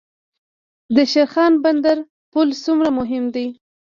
د شیرخان بندر پل څومره مهم دی؟